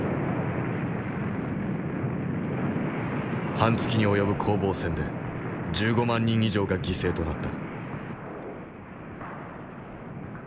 半月に及ぶ攻防戦で１５万人以上が犠牲となった。